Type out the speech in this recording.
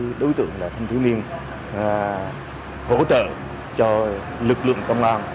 đặc biệt là cái đối tượng là thanh thiếu niên hỗ trợ cho lực lượng công an